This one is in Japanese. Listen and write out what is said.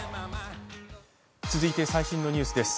続いて最新のニュースです。